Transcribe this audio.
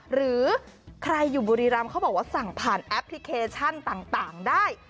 หรือใครอยู่บุรีรำเขาบอกว่าสั่งผ่านแอปพลิเคชันต่างได้